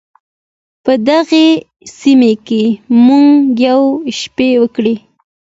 په دغې سیمه کې مو یوه شپه وکړه.